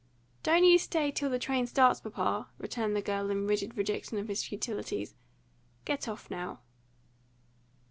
"Don't you stay till the train starts, papa," returned the girl, in rigid rejection of his futilities. "Get off, now."